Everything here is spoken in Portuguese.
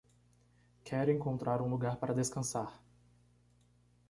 Quer encontrar um lugar para descansar